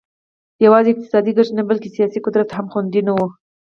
یوازې اقتصادي ګټې نه بلکې سیاسي قدرت هم خوندي نه و